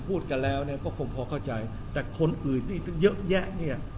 พูดกันแล้วเนี่ยก็คงพอเข้าใจแต่คนอื่นที่เยอะแยะเนี่ย